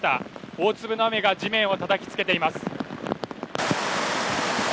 大粒の雨が地面をたたきつけています。